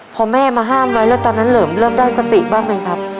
พอแม่มาห้ามไว้แล้วตอนนั้นเหลิมเริ่มได้สติบ้างไหมครับ